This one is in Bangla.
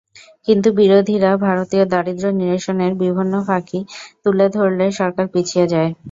কিন্তু বিরোধীরা ভারতীয় দারিদ্র্য নিরসনের বিভিন্ন ফাঁকি তুলে ধরলে সরকার পিছিয়ে যায়।